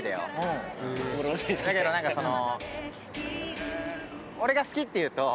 だけど何かその。